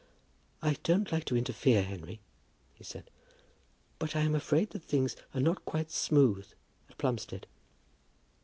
"I don't like to interfere, Henry," he said, "but I am afraid that things are not quite smooth at Plumstead."